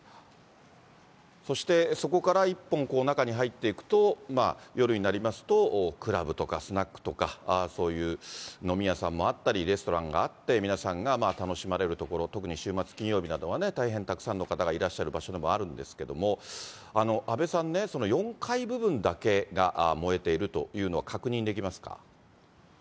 そしてそこから１本中に入っていくと夜になりますと、クラブとかスナックとか、そういう飲み屋さんもあったり、レストランがあって、皆さんが楽しまれる所、特に週末金曜日などは大変たくさんの方がいらっしゃる場所でもあるんですけれども、阿部さんね、４階部分だけが燃えているというのは、確認できますか。